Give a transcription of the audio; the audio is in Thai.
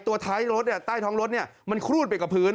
ตัวท้ายรถเนี่ยใต้ท้องรถเนี่ยมันครูดไปกับพื้น